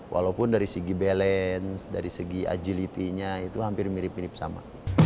walaupun dari segi balance dari segi agility nya itu hampir mirip mirip sama